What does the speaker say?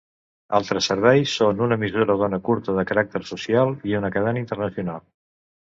Altres serveis són una emissora d'ona curta de caràcter social, i una cadena internacional.